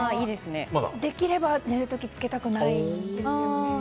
できれば寝る時、つけたくないんですよね。